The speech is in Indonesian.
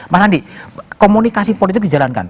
mas andi komunikasi politik dijalankan